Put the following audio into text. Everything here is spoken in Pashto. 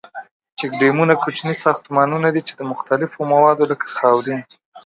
چیک ډیمونه کوچني ساختمانونه دي ،چې د مختلفو موادو لکه خاورین.